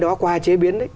cái đó qua chế biến